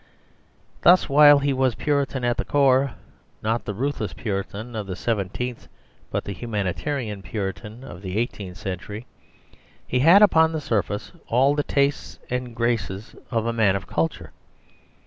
Thus, while he was Puritan at the core, not the ruthless Puritan of the seventeenth, but the humanitarian Puritan of the eighteenth century, he had upon the surface all the tastes and graces of a man of culture.